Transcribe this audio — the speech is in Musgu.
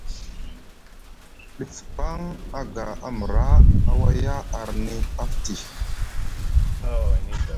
Dif paŋ aga a mra, a waya arni afti.